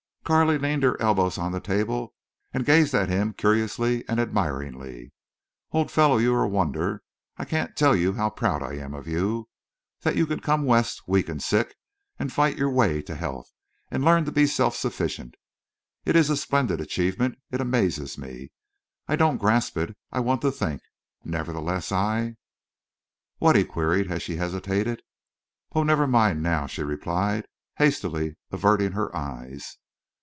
Carley leaned her elbows on the table and gazed at him curiously and admiringly. "Old fellow, you're a wonder. I can't tell you how proud I am of you. That you could come West weak and sick, and fight your way to health, and learn to be self sufficient! It is a splendid achievement. It amazes me. I don't grasp it. I want to think. Nevertheless I—" "What?" he queried, as she hesitated. "Oh, never mind now," she replied, hastily, averting her eyes.